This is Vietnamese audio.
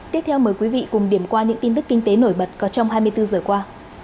tiếp theo mời quý vị cùng điểm qua những tin tức kinh tế nổi bật có trong hai mươi bốn giờ qua